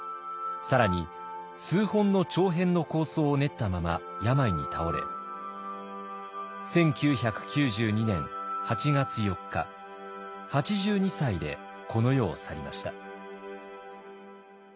更に数本の長編の構想を練ったまま病に倒れ１９９２年８月４日８２歳でこの世を去りました。